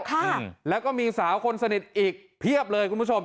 ค่ะแล้วก็มีสาวคนสนิทอีกเพียบเลยคุณผู้ชม